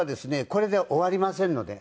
これで終わりませんので。